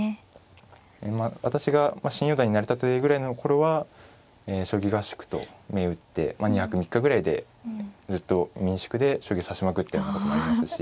私が新四段になりたてぐらいの頃は将棋合宿と銘打って２泊３日ぐらいでずっと民宿で将棋指しまくったようなこともありましたし。